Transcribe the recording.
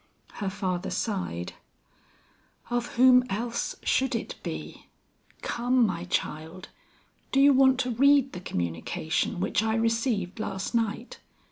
Her father sighed. "Of whom else should it be? Come my child, do you want to read the communication which I received last night?